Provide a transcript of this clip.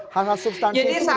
hal hal substansi ini menurut anda